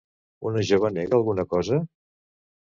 Una jove nega alguna cosa?